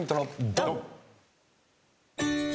ドン！